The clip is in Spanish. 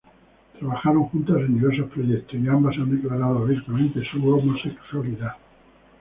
Trabajaron juntas en diversos proyectos y ambas han declarado abiertamente su homosexualidad.